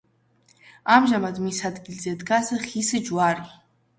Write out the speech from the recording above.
ამჟამად მის ადგილზე დგას ხის ჯვარი.